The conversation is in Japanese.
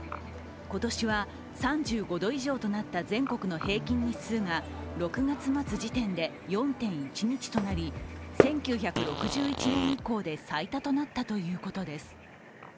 今年は３５度以上となった全国の平均日数が６月末時点で４．１日となり１９６１年以降で最多となったということです。